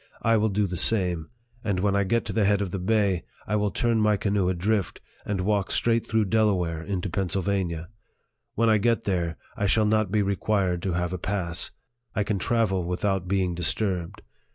I will do the same ; and when I get to the head of the bay, I will turn my canoe adrift, and walk straight through Delaware into Pennsylvania. When 1 get there, I shall not be required to have a pass ; I can travel without being disturbed.